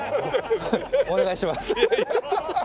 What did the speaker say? お願いします。